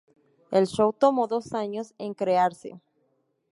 El show tomó dos años en crearse.